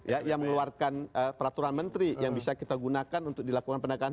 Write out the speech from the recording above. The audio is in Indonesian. ya yang mengeluarkan peraturan menteri yang bisa kita gunakan untuk dilakukan penegakan hukum